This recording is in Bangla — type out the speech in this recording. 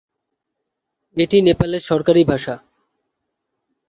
এটি নেপালের সরকারি ভাষা।